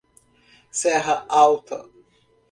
Serra Alta